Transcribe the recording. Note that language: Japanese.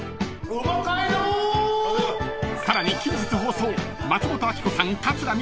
［さらに近日放送］